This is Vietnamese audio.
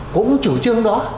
cũng chủ trương đó